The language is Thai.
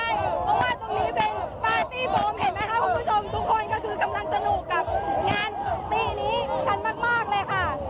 เพราะว่าตรงนี้เป็นปาร์ตี้ผมเห็นไหมคะคุณผู้ชมทุกคนก็คือกำลังสนุกกับงานปีนี้กันมากเลยค่ะ